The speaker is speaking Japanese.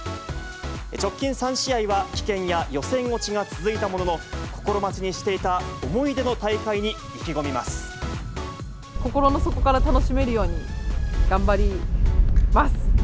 直近３試合は、棄権や予選落ちが続いたものの、心待ちにしていた思い出の大会に心の底から楽しめるように、頑張ります。